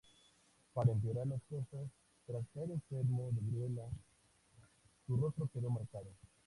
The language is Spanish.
Para empeorar las cosas, tras caer enfermo de viruela, su rostro quedó marcado.